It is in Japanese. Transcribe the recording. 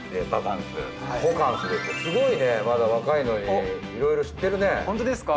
すごいねまだ若いのにいろいろ知ってるねホントですか？